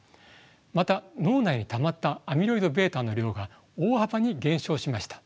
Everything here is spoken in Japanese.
また脳内にたまったアミロイドβの量が大幅に減少しました。